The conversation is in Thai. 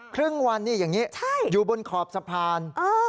ครึ่งวันนี่อย่างนี้อยู่บนขอบสะพาน